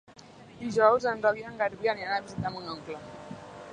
Dijous en Roc i en Garbí aniran a visitar mon oncle.